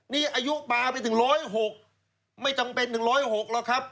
นี่อายุปลาไปถึง๑๐๖ไม่จำเป็นถึง๑๐๖หรอกครับ